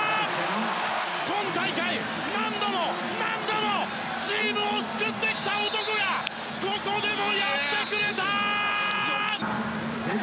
今大会、何度も何度もチームを救ってきた男がここでもやってくれた！